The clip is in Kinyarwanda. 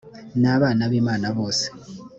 n abana b imana bose